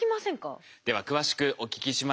では詳しくお聞きしましょう。